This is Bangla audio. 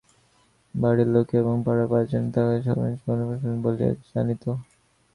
বাড়ির লোকে এবং পাড়ার পাঁচজনে তাঁহাকে সর্ববিষয়ে অনুকরণস্থল বলিয়া জানিত।